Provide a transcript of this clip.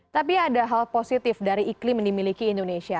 tapi ada hal positif dari iklim yang dimiliki indonesia